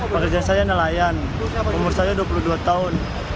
pekerja saya nelayan umur saya dua puluh dua tahun